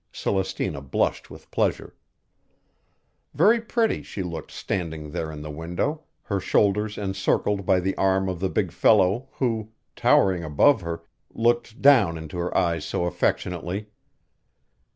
Celestina blushed with pleasure. Very pretty she looked standing there in the window, her shoulders encircled by the arm of the big fellow who, towering above her, looked down into her eyes so affectionately.